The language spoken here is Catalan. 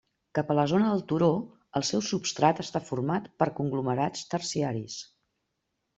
Cap a la zona del turó, el seu substrat està format per conglomerats terciaris.